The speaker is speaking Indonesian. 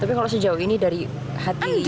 tapi kalau sejauh ini dari hati risma sendiri